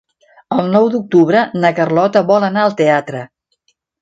El nou d'octubre na Carlota vol anar al teatre.